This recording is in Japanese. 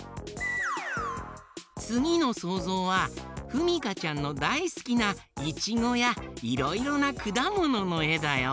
つぎのそうぞうはふみかちゃんのだいすきないちごやいろいろなくだもののえだよ。